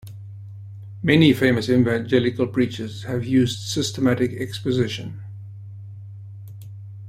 Many famous evangelical preachers have used systematic exposition.